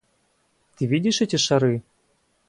Ты видишь эти шары?